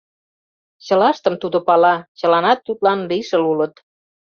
Чылаштым тудо пала, чыланат тудлан лишыл улыт.